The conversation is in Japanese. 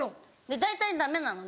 大体ダメなので。